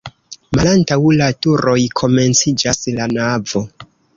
Malantaŭ la turoj komenciĝas la navo.